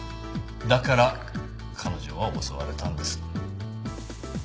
だから彼女は襲われたんです。